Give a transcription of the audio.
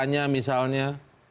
misalnya misalnya